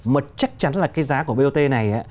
mà chắc chắn là cái giá của bot này